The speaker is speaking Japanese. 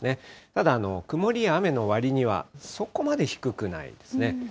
ただ曇りや雨のわりにはそこまで低くないですね。